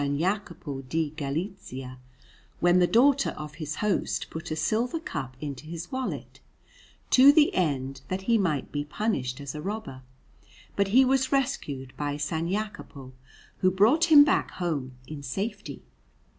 Jacopo di Galizia, when the daughter of his host put a silver cup into his wallet, to the end that he might be punished as a robber; but he was rescued by S. Jacopo, who brought him back home in safety.